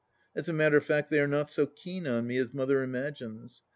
As a matter of fact they are not so keen on me as Mother imagines.